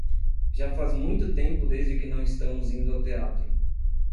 Já faz muito tempo desde que não estamos indo ao teatro.